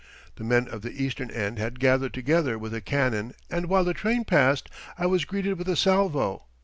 The men of the eastern end had gathered together with a cannon and while the train passed I was greeted with a salvo.